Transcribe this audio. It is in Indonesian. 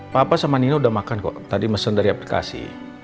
papa sama nino udah makan kok tadi mesen dari aplikasi